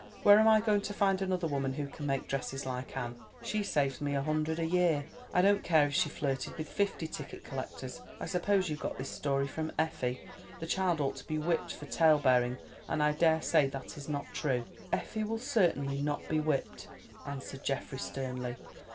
Where am I going to find another woman who can make dresses like Anne—she saves me a hundred a year—I don't care if she flirted with fifty ticket collectors. I suppose you got this story from Effie; the child ought to be whipped for tale bearing, and I daresay that it is not true." "Effie will certainly not be whipped," answered Geoffrey sternly.